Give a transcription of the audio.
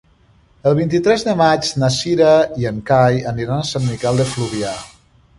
El vint-i-tres de maig na Cira i en Cai aniran a Sant Miquel de Fluvià.